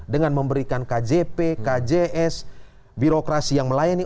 dengan memberikan kjp kjs birokrasi yang melayani